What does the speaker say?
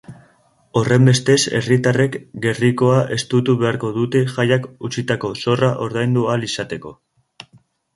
Horrenbestez, herritarrek gerrikoa estutu beharko dute jaiak utzitako zorra ordaindu ahal izateko.